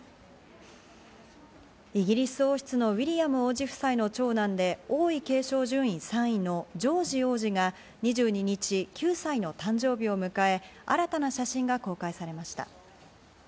イギリス王室のウィリアム王子夫妻の長男で王位継承順位３位のジョージ王子が２２日、９歳の誕生日を迎え、新たな写真が公開されました。